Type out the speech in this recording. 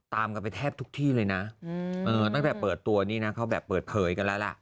ตามกันไปแทบทุกที่เลยนะตั้งแต่เปิดตัวนี้นะเขาแบบเปิดเผยกันแล้วล่ะ